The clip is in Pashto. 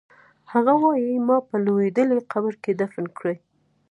هغه وایی ما په لوېدلي قبر کې دفن کړئ